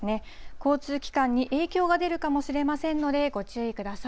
交通機関に影響が出るかもしれませんので、ご注意ください。